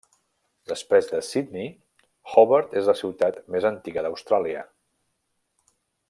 Després de Sydney, Hobart és la ciutat més antiga d'Austràlia.